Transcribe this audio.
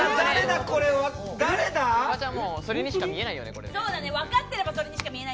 フワちゃん、それにしか見えないよね？